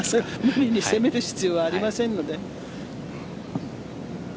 無理に攻める必要はありませんので。